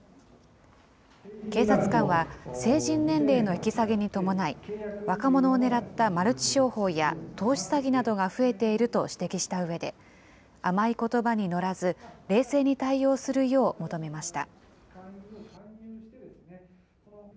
警察官は、成人年齢の引き下げに伴い、若者を狙ったマルチ商法や投資詐欺などが増えていると指摘したうえで、甘いことばに乗らず、冷静に対応するよう求めました。